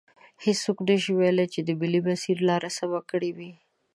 هیڅوک نشي ویلی چې د ملي مسیر لار سمه کړي وي.